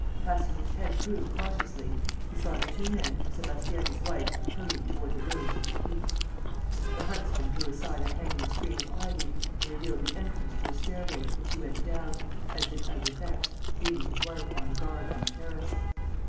Passing his head through cautiously, he saw the two men and Sébastiani's wife hurrying toward the ruins of the keep. The huntsman drew aside a hanging screen of ivy and revealed the entrance to a stairway, which he went down, as did d'Albufex, leaving his wife on guard on the terrace.